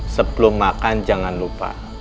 sebelum makan jangan lupa